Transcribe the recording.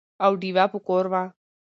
او ډېوه به کور وه،